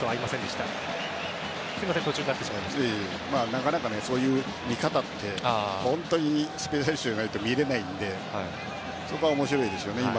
なかなか、そういう見方って本当に一流選手じゃないと見えないのでそこは面白いですよね。